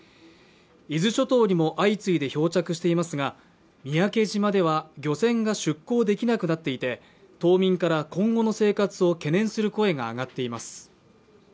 伊豆諸島にも相次いで漂着していますが、三宅島では漁船が出航できなくなっていて、島民から今後の生活を懸念する声が上がっています。